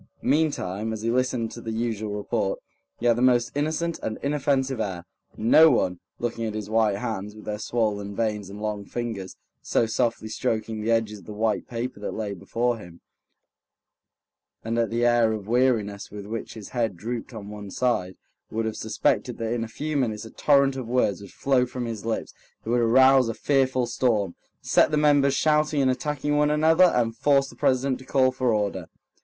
Meantime, as he listened to the usual report, he had the most innocent and inoffensive air. No one, looking at his white hands, with their swollen veins and long fingers, so softly stroking the edges of the white paper that lay before him, and at the air of weariness with which his head drooped on one side, would have suspected that in a few minutes a torrent of words would flow from his lips that would arouse a fearful storm, set the members shouting and attacking one another, and force the president to call for order.